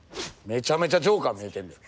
めちゃめちゃジョーカー見えてんで。